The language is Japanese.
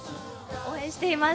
応援しています。